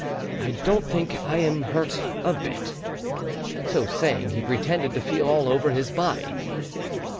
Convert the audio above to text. I don't think I am hurt a bit." So saying, he pretended to feel all over his body.